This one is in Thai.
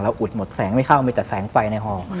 เราอุดหมดแสงไม่เข้าไม่จัดแสงไฟในหอ